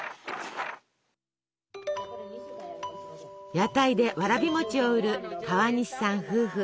屋台でわらび餅を売る川西さん夫婦。